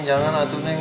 jangan atu neng